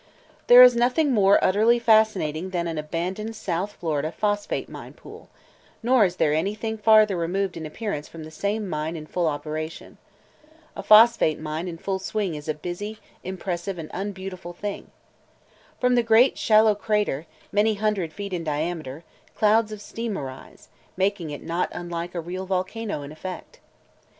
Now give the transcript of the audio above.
There is nothing more utterly fascinating than an abandoned South Florida phosphate mine pool, nor is there anything farther removed in appearance from the same mine in full operation. A phosphate mine in full swing is a busy, impressive, and unbeautiful thing. From the great shallow crater, many hundred feet in diameter, clouds of steam arise, making it not unlike a real volcano in effect.